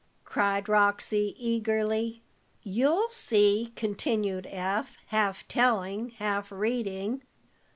cried Roxy, eagerly. "You'll see," continued Eph, half telling, half reading.